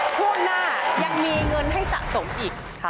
ช่วงหน้ายังมีเงินให้สะสมอีก